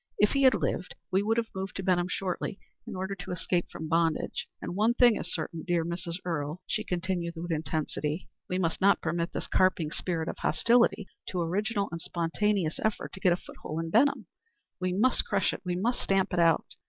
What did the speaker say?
If he had lived, we would have moved to Benham shortly in order to escape from bondage. And one thing is certain, dear Mrs. Earle," she continued with intensity, "we must not permit this carping spirit of hostility to original and spontaneous effort to get a foothold in Benham. We must crush it, we must stamp it out."